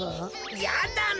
やだな。